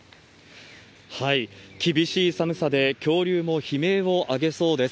厳しい寒さで、恐竜も悲鳴を上げそうです。